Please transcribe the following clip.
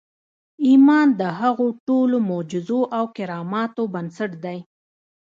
ایمان د هغو ټولو معجزو او کراماتو بنسټ دی